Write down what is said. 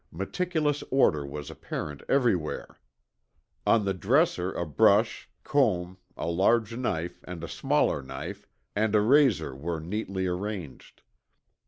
Meticulous order was apparent everywhere. On the dresser a brush, comb, a large knife and a smaller knife, and a razor were neatly arranged.